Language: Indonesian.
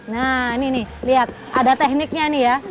nah ini nih lihat ada tekniknya nih ya